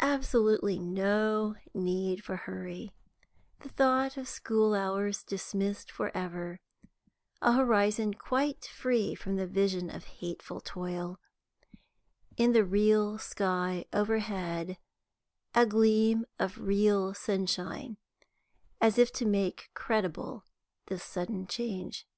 Absolutely no need for hurry; the thought of school hours dismissed for ever; a horizon quite free from the vision of hateful toil; in the real sky overhead a gleam of real sunshine, as if to make credible this sudden change.